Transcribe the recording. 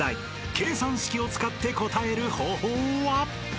［計算式を使って答える方法は？］